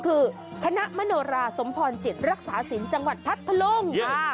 คือคณะมโนราสมพรจิตรักษาศิลป์จังหวัดพัทธลุง